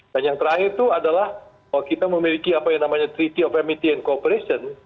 dan yang terakhir itu adalah kalau kita memiliki apa yang namanya treaty of amity and cooperation